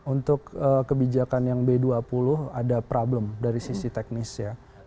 untuk kebijakan yang b dua puluh ada problem dari sisi teknis ya